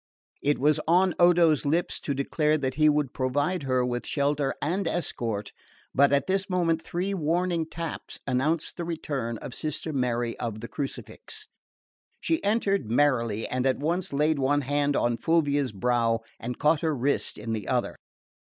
It was on Odo's lips to declare that he would provide her with shelter and escort; but at this moment three warning taps announced the return of Sister Mary of the Crucifix. She entered merrily and at once laid one hand on Fulvia's brow and caught her wrist in the other.